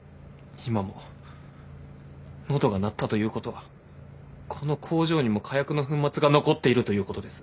今も喉が鳴ったということはこの工場にも火薬の粉末が残っているということです。